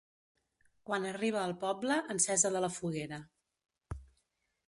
Quan arriba al poble, encesa de la foguera.